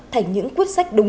thành những quyết sách của đảng